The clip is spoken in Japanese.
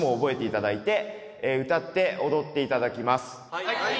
はい。